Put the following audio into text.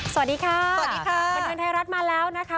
สวัสดีค่ะสวัสดีค่ะบันเทิงไทยรัฐมาแล้วนะคะ